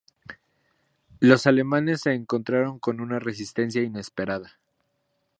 Los alemanes se encontraron con una resistencia inesperada.